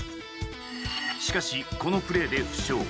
しかし、このプレーで負傷。